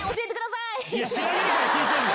いや、知らねーから聞いてんだよ。